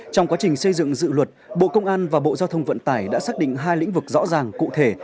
trong quá trình xây dựng dự luật bộ công an và bộ giao thông vận tải đã xác định hai lĩnh vực rõ ràng cụ thể